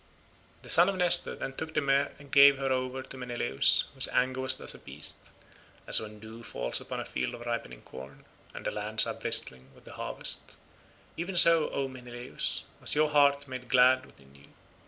The son of Nestor then took the mare and gave her over to Menelaus, whose anger was thus appeased; as when dew falls upon a field of ripening corn, and the lands are bristling with the harvest—even so, O Menelaus, was your heart made glad within you.